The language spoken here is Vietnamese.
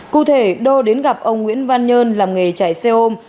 cụ thể đô đến gặp ông nguyễn văn nhơn làm nghề chạy xe ôm